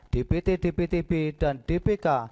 dpt dptb dan dpk